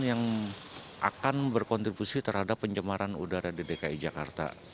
yang akan berkontribusi terhadap pencemaran udara di dki jakarta